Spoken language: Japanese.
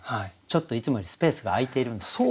ちょっといつもよりスペースが空いているんですけど。